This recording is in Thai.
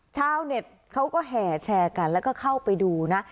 ชาวเน็ตเขาก็แห่แชร์กันแล้วก็เข้าไปดูนะ